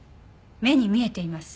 目に見えています。